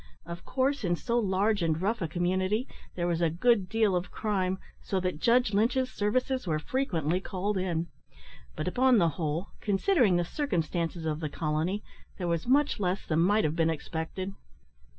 Of course, in so large and rough a community, there was a good deal of crime, so that Judge Lynch's services were frequently called in; but upon the whole, considering the circumstances of the colony, there was much less than might have been expected.